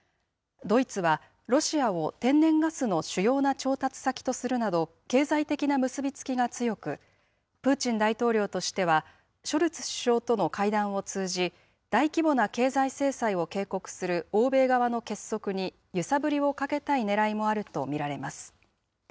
ドイツはロシアを天然ガスの主要な調達先とするなど、経済的な結び付きが強く、プーチン大統領としてはショルツ首相との会談を通じ、大規模な経済制裁を警告する欧米側の結束に揺さぶりをかけたいねらいもあると見られます。